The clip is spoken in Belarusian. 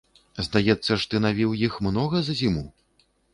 Здаецца ж, ты навіў іх многа за зіму!